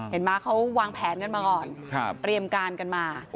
มั้ยเขาวางแผนกันมาก่อนเตรียมการกันมา